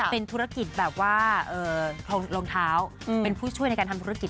เป็นธุรกิจแบบว่า